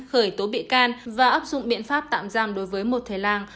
khởi tố bị can và ấp dụng biện pháp tạm giam đối với một thầy lan